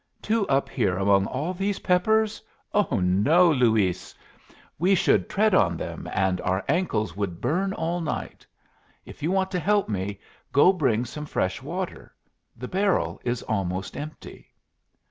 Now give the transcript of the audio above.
"Two up here among all these peppers! Oh no, Luis. We should tread on them, and our ankles would burn all night. If you want to help me, go bring some fresh water. The barrel is almost empty."